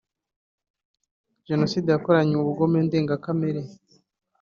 Jenoside yakoranywe ubugome ndengakamere